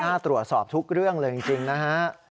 น่าตรวจสอบทุกเรื่องเลยจริงนะฮะ